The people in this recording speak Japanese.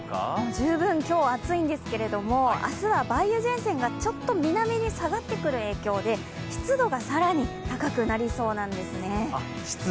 十分今日暑いんですけれども明日は梅雨前線がちょっと南に下がってくる影響で湿度が更に高くなりそうなんですね。